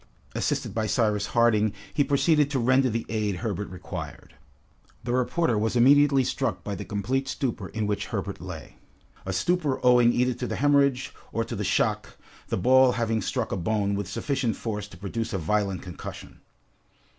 Assisted by Cyrus Harding, he proceeded to render the aid Herbert required. The reporter was immediately struck by the complete stupor in which Herbert lay, a stupor owing either to the hemorrhage, or to the shock, the ball having struck a bone with sufficient force to produce a violent concussion.